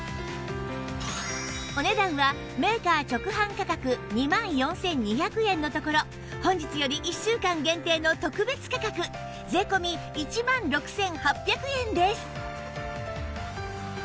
お値段はメーカー直販価格２万４２００円のところ本日より１週間限定の特別価格税込１万６８００円です